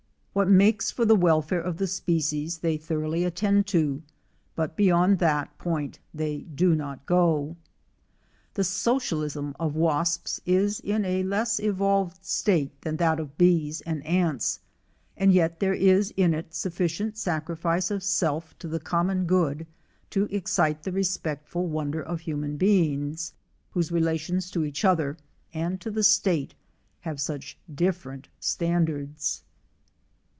What makes for the welfare of the species they thoroughly attend to, but beyond that point they do not go. The socialism of wasps is in a less evolved state than that of bees and ants, and yet there is in it sufficient sacri fice of self to the common good to excite the respectful wonder of human beings, whose relations to each other and to the state have such different standards.